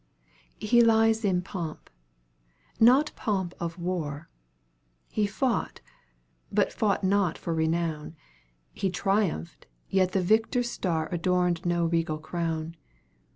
He lies in pomp not pomp of war He fought, but fought not for renown; He triumphed, yet the victor's star Adorned no regal crown.